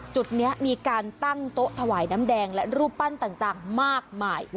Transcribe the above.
จุดนี้มีการตั้งโต๊ะถวายน้ำแดงและรูปปั้นต่างมากมาย